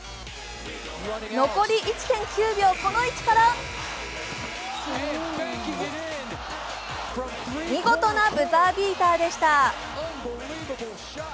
残り１．９秒、この位置から見事なブザービーターでした。